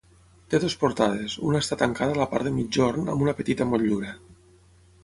Té dues portades, una està tancada a la part de migjorn amb una petita motllura.